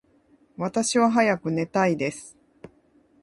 私は早く寝たいです。